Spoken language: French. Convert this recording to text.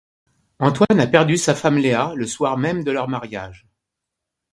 Antoine a perdu sa femme Léa le soir même de leur mariage.